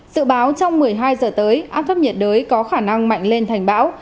dự báo trong một mươi hai giờ tới áp thấp nhiệt đới có khả năng mạnh lên thành bão